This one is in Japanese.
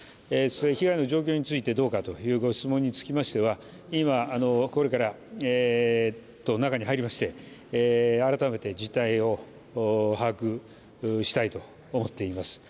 被害の状況についてどうかというご質問につきましては今これから中に入りまして改めて実態を把握したいと思っています。